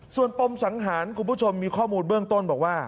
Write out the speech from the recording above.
ส่วนปมสังหารคุณผู้ชมมีข้อมูลเบื้องต้นบอกว่า